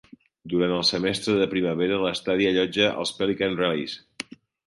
Durant el semestre de primavera, l'estadi allotja els Pelican Relays.